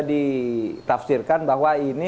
ditafsirkan bahwa ini